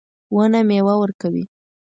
ونه میوه ورکوي